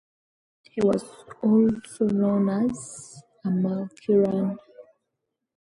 He was also known as "Amal Kiran".